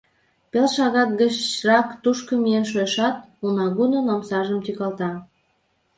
Пел шагат гычрак тушко миен шуэшат, унагудын омсажым тӱкалта.